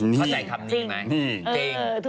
เข้าใจคำนี้ไหม